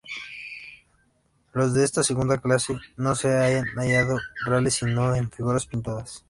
Los de esta segunda clase no se han hallado reales sino en figuras pintadas.